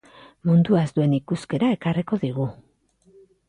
Munduaz duen ikuskera ekarriko digu.